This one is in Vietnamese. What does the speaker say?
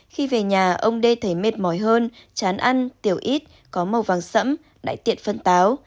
khi về nhà ông đê thấy mệt mỏi hơn chán ăn tiểu ít có màu vàng sẫm đại tiện phân táo